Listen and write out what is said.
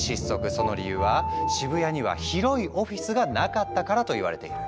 その理由は渋谷には広いオフィスがなかったからといわれている。